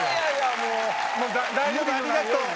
もう大丈夫ありがとう。